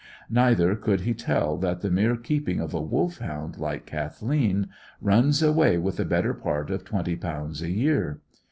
Neither could he tell that the mere keeping of a Wolfhound like Kathleen runs away with the better part of twenty pounds a year.